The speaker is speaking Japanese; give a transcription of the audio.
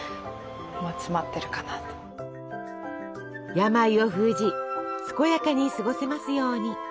病を封じ健やかに過ごせますように。